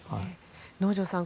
能條さん